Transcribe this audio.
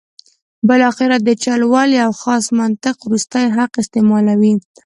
بالاخره د چل ول یو خاص منطق وروستی حق استعمالوي.